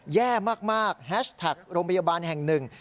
แย่มากแฮชแท็กโรงพยาบาลแห่งหนึ่ง